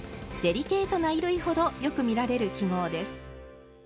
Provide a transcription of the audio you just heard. デリケートな衣類ほどよく見られる記号です。